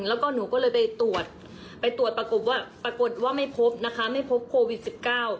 แล้วก็หนูก็เลยไปตรวจไปตรวจปรากฏว่าไม่พบนะคะไม่พบโควิด๑๙